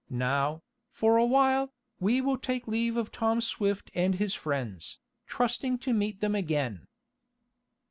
Now, for a while, we will take leave of Tom Swift and his friends, trusting to meet them again.